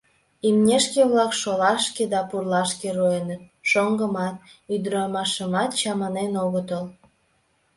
Имнешке-влак шолашке да пурлашке руэныт, шоҥгымат, ӱдырамашымат чаманен огытыл.